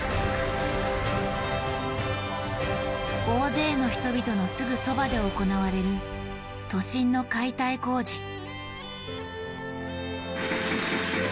大勢の人々のすぐそばで行われる都心の解体工事。